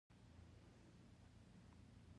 د زلمیتوب او ځوانۍ په وخت کې فرصت له لاسه ورنه کړئ.